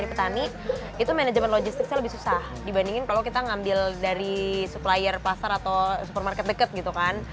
karena kalau dari petani itu manajemen logistiknya lebih susah dibandingin kalau kita ngambil dari supplier pasar atau supermarket deket gitu kan